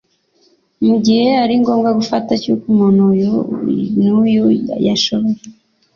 mu gihe ari ngombwa gufata icyemezo cy'uko umuntu uyu n'uyu yashobora